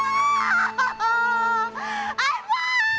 ตอนแหละเลี้ยงมาตัว